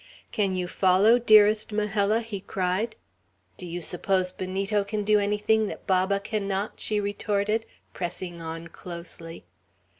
"Can you follow, dearest Majella?" he cried. "Do you suppose Benito can do anything that Baba cannot?" she retorted, pressing on closely.